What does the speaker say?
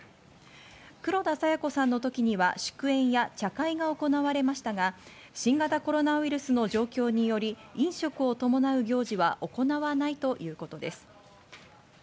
黒田清子さんの時には祝宴や茶会が行われましたが、新型コロナウイルスの状況により飲食を伴う行事は行わないということです。